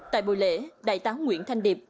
tại buổi lễ đại tá nguyễn thanh điệp